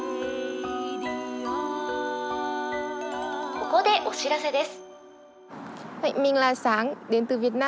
ここで、お知らせです。